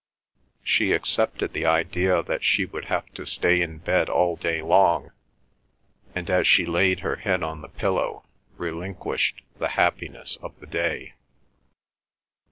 She accepted the idea that she would have to stay in bed all day long, and as she laid her head on the pillow, relinquished the happiness of the day.